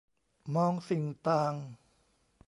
มองสิ่งต่าง